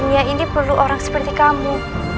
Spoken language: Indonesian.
dunia ini perlu orang seperti kamu